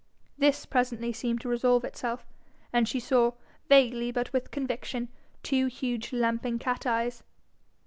This presently seemed to resolve itself, and she saw, vaguely but with conviction, two huge lamping cat eyes.